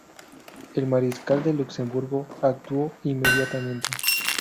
El mariscal de Luxemburgo actuó inmediatamente.